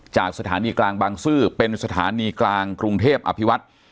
จากสถานีกลางบางซื่อเป็นสถานีกลางกรุงเทพอภิวัตร